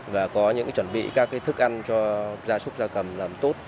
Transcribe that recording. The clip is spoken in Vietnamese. và có những chuẩn bị các thức ăn cho gia súc gia cầm làm tốt